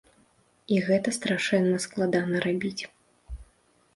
І гэта страшэнна складана рабіць.